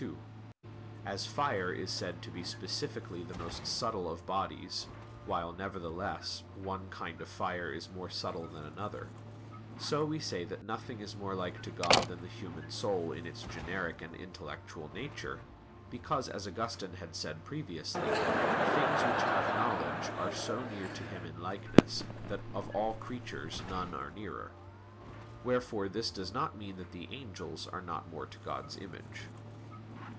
2: As fire is said to be specifically the most subtle of bodies, while, nevertheless, one kind of fire is more subtle than another; so we say that nothing is more like to God than the human soul in its generic and intellectual nature, because as Augustine had said previously, "things which have knowledge, are so near to Him in likeness that of all creatures none are nearer." Wherefore this does not mean that the angels are not more to God's image.